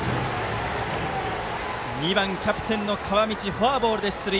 ２番、キャプテンの川道フォアボールで出塁。